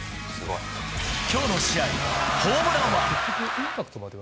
きょうの試合、ホームランは？